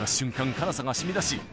辛さが染み出し